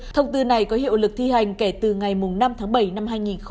thông tư này có hiệu lực thi hành kể từ ngày năm tháng bảy năm hai nghìn hai mươi